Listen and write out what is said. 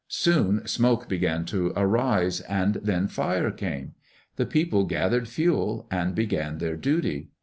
Soon smoke began to arise, and then fire came. The people gathered fuel and began their duty.